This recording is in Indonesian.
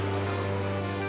masya allah pak